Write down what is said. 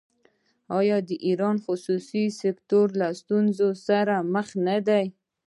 آیا د ایران خصوصي سکتور له ستونزو سره مخ نه دی؟